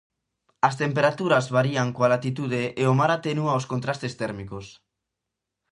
As temperaturas varían coa latitude e o mar atenúa os contrastes térmicos.